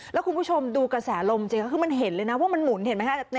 แล้วคุณผู้ชมดูกระแสลมจริงก็คือมันเห็นเลยนะว่ามันหมุนเห็นไหมคะ